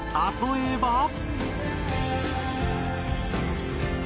例えば。